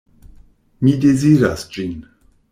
Mi deziras ĝin.